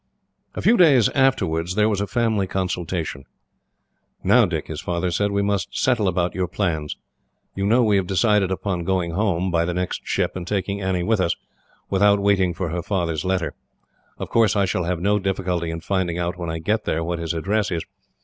A few days afterwards, there was a family consultation. "Now, Dick," his father said, "we must settle about your plans. You know we have decided upon going home, by the next ship, and taking Annie with us, without waiting for her father's letter. Of course I shall have no difficulty in finding out, when I get there, what his address is.